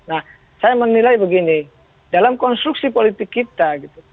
nah saya menilai begini dalam konstruksi politik kita gitu